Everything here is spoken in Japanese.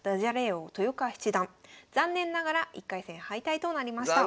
王・豊川七段残念ながら１回戦敗退となりました。